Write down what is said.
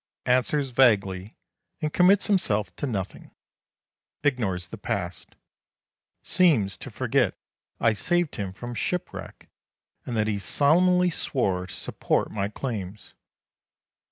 Answers vaguely and commits himself to nothing. Ignores the past. Seems to forget I saved him from shipwreck and that he solemnly swore to support my claims.